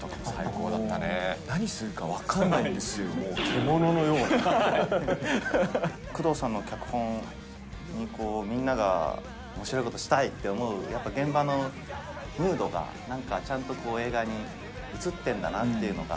何するか分かんないんですよ、宮藤さんの脚本にみんながおもしろいことしたいって思う、やっぱ現場のムードが、なんかちゃんと映画に映ってんだなっていうのが。